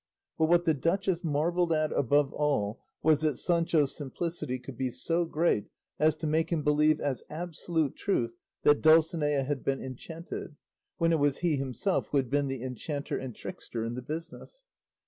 But what the duchess marvelled at above all was that Sancho's simplicity could be so great as to make him believe as absolute truth that Dulcinea had been enchanted, when it was he himself who had been the enchanter and trickster in the business.